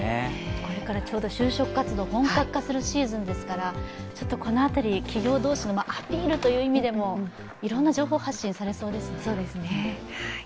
これからちょうど就職活動本格化するシーズンですからこの辺り、企業同士という意味でもいろんな情報発信されそうですね。